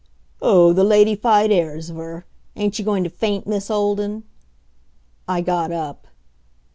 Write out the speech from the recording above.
"Oh, the ladyfied airs of her! Ain't you going to faint, Miss Olden?" I got up.